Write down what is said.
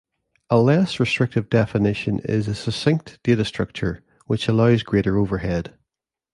A less restrictive definition is a succinct data structure, which allows greater overhead.